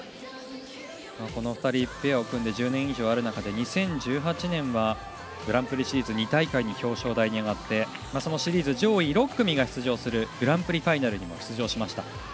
この２人、ペアを組んで１０年以上たつ中で２０１８年はグランプリシリーズ２大会に表彰台に上がってシリーズ上位６組が出場するグランプリファイナルにも出場しました。